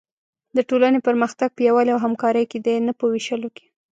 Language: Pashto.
د ټولنې پرمختګ په یووالي او همکارۍ کې دی، نه په وېشلو کې.